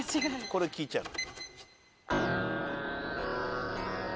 これ聞いちゃう。